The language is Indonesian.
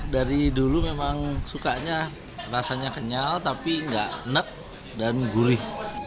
dari dulu memang sukanya rasanya kenyal tapi nggak enak dan gurih